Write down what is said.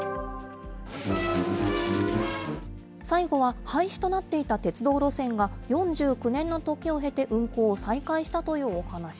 最後は廃止となっていた鉄道路線が、４９年の時を経て、運行を再開したというお話。